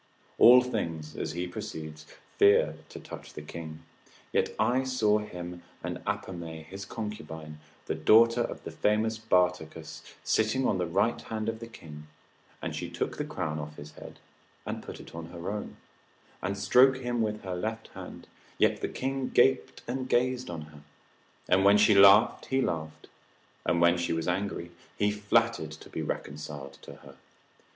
All things (as he proceeds) fear to touch the king; yet I saw him and Apame his concubine, the daughter of the famous Bartacus, sitting on the right hand of the king, and she took the crown off his head, and put it on her own, and stroke him with her left hand; yet the king gaped and gazed on her, and when she laughed he laughed, and when she was angry he flattered to be reconciled to her.